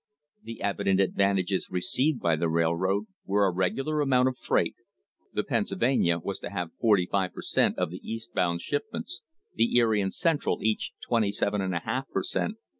The evident advantages received by the railroad were a regular amount of freight, — the Pennsylvania was to have forty five per cent, of the East bound shipments, the Erie and Central each 27^ per cent.